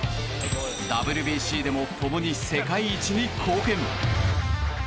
ＷＢＣでも共に世界一に貢献。